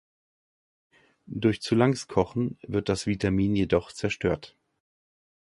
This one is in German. Durch zu langes Kochen wird das Vitamin jedoch zerstört.